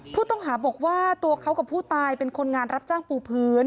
ผู้ต้องหาบอกว่าตัวเขากับผู้ตายเป็นคนงานรับจ้างปูพื้น